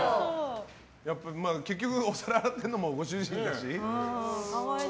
結局、お皿洗ってるのもご主人だし。